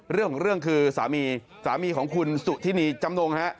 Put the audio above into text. เรื่องคือสามีสามีของคุณสุธินีจำนงฮะ